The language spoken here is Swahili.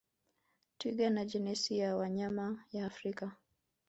Twiga ni jenasi ya wanyama ya Afrika